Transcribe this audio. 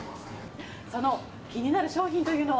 その気になる商品というのは？